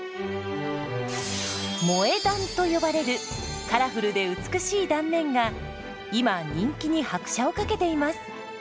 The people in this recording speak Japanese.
「萌え断」と呼ばれるカラフルで美しい断面が今人気に拍車をかけています。